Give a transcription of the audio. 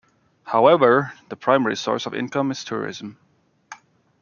However, the primary source of income is tourism.